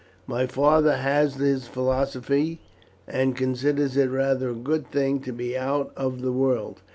My father has his philosophy, and considers it rather a good thing to be out of the world.